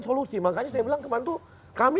solusi makanya saya bilang kemarin tuh kami